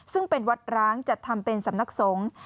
ซึ่งเป็นวัดร้างจัดทำเป็นสำนักสงฆ์